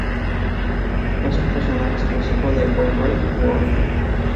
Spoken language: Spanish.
Es un personaje exclusivo de Wai Wai World.